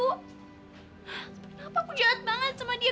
kenapa aku jahat banget sama dia